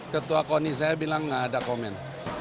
ketua koni saya bilang nggak ada komen